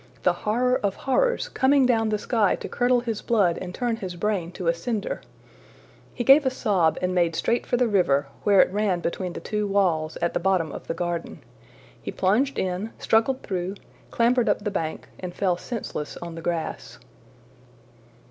the horror of horrors coming down the sky to curdle his blood and turn his brain to a cinder! He gave a sob and made straight for the river, where it ran between the two walls, at the bottom of the garden. He plunged in, struggled through, clambered up the bank, and fell senseless on the grass.